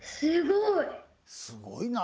すごいな。